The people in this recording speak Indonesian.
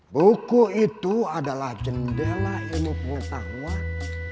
buku itu adalah jendela ilmu pengetahuan